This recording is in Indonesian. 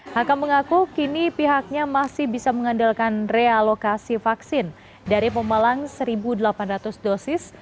hakam mengaku kini pihaknya masih bisa mengandalkan realokasi vaksin dari pemalang satu delapan ratus dosis